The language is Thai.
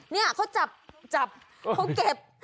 นี่เขาจับเขาเก็บ